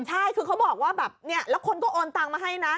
ใช่คือเขาบอกว่าแบบเนี่ยแล้วคนก็โอนตังมาให้นะ